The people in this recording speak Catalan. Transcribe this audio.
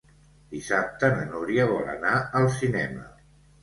Dissabte na Núria vol anar al cinema.